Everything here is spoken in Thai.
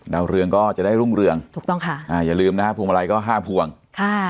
ดาวเรืองก็จะได้รุ่งเรืองถูกต้องค่ะอ่าอย่าลืมนะฮะพวงมาลัยก็ห้าพวงค่ะ